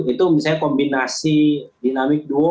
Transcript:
itu menggunakan kombinasi dinamik duo ya